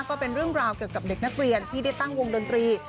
ก็เป็นเรื่องราวเกี่ยวกับเด็กนักเรียนที่ได้ตั้งวงดนตรี